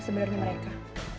tunggu dulu aku mau ke rumah